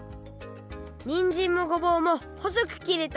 にんじんもごぼうもほそくきれた！